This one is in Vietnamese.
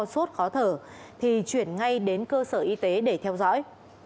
sốt khó thở thì chuyển ngay đến cơ sở y tế để theo dõi